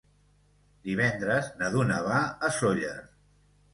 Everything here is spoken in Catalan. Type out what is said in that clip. Divendres na Duna va a Sóller.